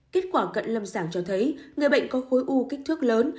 kết quả cận lâm sàng cho thấy người bệnh có khối u kích thước lớn